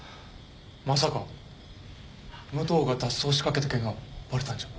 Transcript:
まさか武藤が脱走しかけた件がバレたんじゃ？